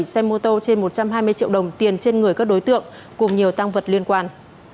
một xe mô tô trên một trăm hai mươi triệu đồng tiền trên người các đối tượng cùng nhiều tăng vật liên quan